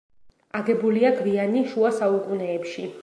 აგებულია გვიანი შუა საუკუნეებში.